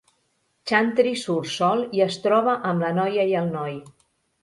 Chantry surt sol i es troba amb la noia i el noi.